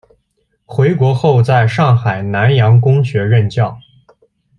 回国后在上海南洋公学任教。